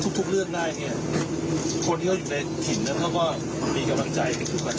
ทุกเรือนได้เนี่ยคนก็อยู่ในถิ่นแล้วก็มีกำลังใจ